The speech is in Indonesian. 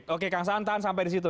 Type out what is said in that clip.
oke kang saan tahan sampai di situ